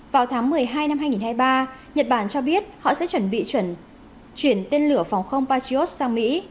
vào tháng một mươi hai năm hai nghìn hai mươi ba nhật bản cho biết họ sẽ chuẩn bị chuyển tên lửa phòng không patriot sang mỹ